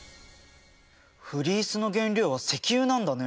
フリースの原料は石油なんだね。